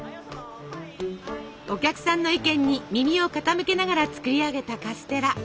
お客さんの意見に耳を傾けながら作り上げたカステラ。